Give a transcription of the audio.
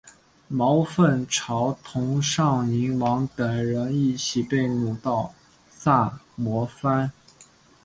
毛凤朝同尚宁王等人一起被掳到萨摩藩。